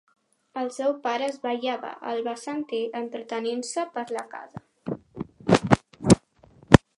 El seu pare es va llevar; el va sentir entretenint-se per la casa.